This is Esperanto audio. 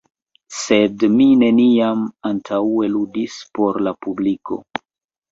Sed mi neniam antaŭe ludis por la publiko.